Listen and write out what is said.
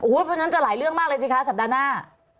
เพราะฉะนั้นจะหลายเรื่องมากเลยสิคะสัปดาห์หน้า